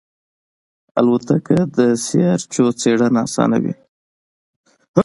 الوتکه د سیارچو څېړنه آسانوي.